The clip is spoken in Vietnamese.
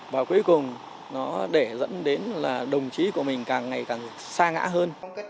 và cuối cùng nó để dẫn đến là đồng chí của mình càng ngày càng xa ngã hơn